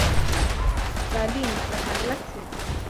Darling, তোমরা ঠাণ্ডা লাগছে?